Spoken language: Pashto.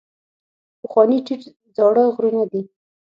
پخواني ټیټ زاړه غرونه دي.